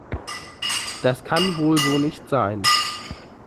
Das kann wohl so nicht sein!